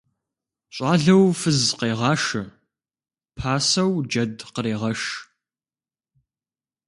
Щӏалэу фыз къегъашэ, пасэу джэд кърегъэш.